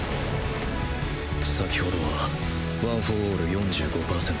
先程はワン・フォー・オール ４５％